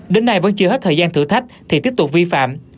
đến nay vẫn chưa hết thời gian thử thách thì tiếp tục vi phạm